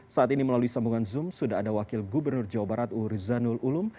saat ini melalui sambungan zoom sudah ada wakil gubernur jawa barat urzanul ulum